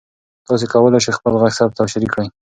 تاسي کولای شئ خپل غږ ثبت او شریک کړئ.